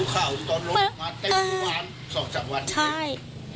เพิ่งมารู้ข่าวตอนลุกมาเต็มหวาน๒๓วันเลย